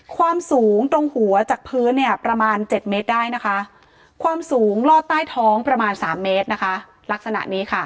ความสูงตรงหัวจากพื้นเนี่ยประมาณ๗เมตรได้นะคะความสูงลอดใต้ท้องประมาณ๓เมตรนะคะลักษณะนี้ค่ะ